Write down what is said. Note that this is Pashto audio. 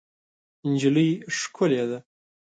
نجلۍ ښکلې ده.